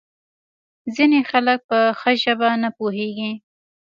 ځینې خلک په ښه ژبه نه پوهیږي.